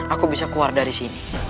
aku bisa keluar dari sini